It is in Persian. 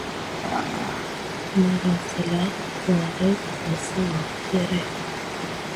مراسلات وارده وصادره